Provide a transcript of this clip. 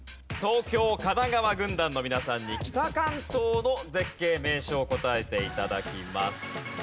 東京・神奈川軍団の皆さんに北関東の絶景・名所を答えて頂きます。